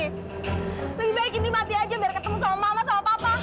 lebih baik ini mati aja biar ketemu sama mama sama papa